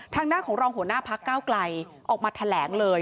ทางด้านของรองหัวหน้าพักเก้าไกลออกมาแถลงเลย